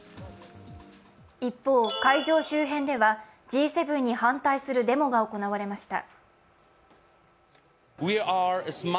一方、会場周辺ではＧ７に反対するデモが行われました。